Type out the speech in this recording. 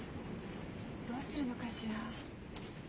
どうするのかしら？